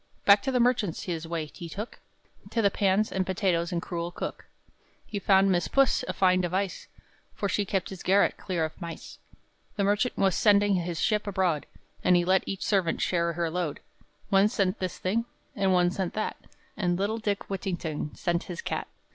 Back to the merchant's his way he took, To the pans and potatoes and cruel cook, And he found Miss Puss a fine device, For she kept his garret clear of mice. The merchant was sending his ship abroad, And he let each servant share her load; One sent this thing, and one sent that, And little Dick Whittington sent his cat.